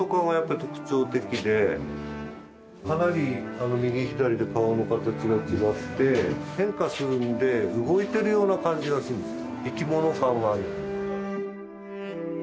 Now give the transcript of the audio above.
かなり右左で顔の形が違って変化するんで動いてるような感じがするんですよ。